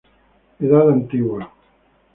Edad Antigua".